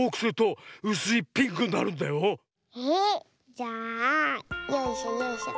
じゃあよいしょよいしょ。